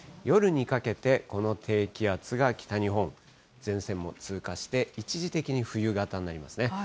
夜にかけて、この低気圧が北日本、前線も通過して、一時的に冬型になりますね。